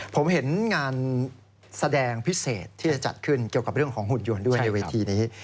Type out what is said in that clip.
ผมเห็นงานแสดงพิเศษที่จะจัดขึ้นเกี่ยวกับเรื่องของหุ่นยนต์ด้วยในเวทีนี้